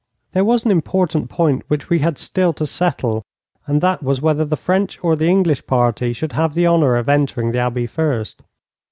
There was an important point which we had still to settle, and that was whether the French or the English party should have the honour of entering the Abbey first.